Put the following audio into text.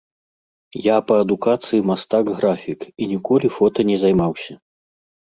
Я па адукацыі мастак-графік і ніколі фота не займаўся.